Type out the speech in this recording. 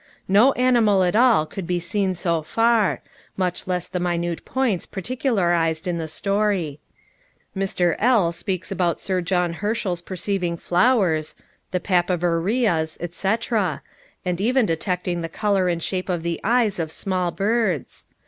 No animal at all could be seen so far; much less the minute points particularized in the story. Mr. L. speaks about Sir John Herschel's perceiving flowers (the Papaver rheas, etc.), and even detecting the color and the shape of the eyes of small birds.